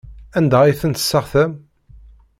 Anda ay ten-tesseɣtam?